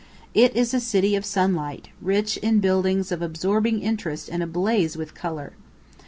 It is a city of sunlight, rich in buildings of absorbing interest and ablaze with colour.